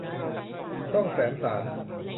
ช่องแสมสาร